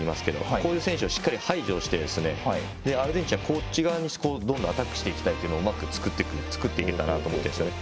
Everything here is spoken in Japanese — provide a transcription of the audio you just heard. こういう選手はしっかり排除してアルゼンチンは、こっち側にどんどんアタックしていきたいとそういうのを作っていけたなと思いますね。